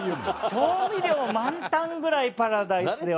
調味料満タンぐらいパラダイスだよ。